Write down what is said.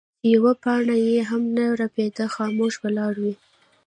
چې يوه پاڼه يې هم نۀ رپيده خاموش ولاړې وې ـ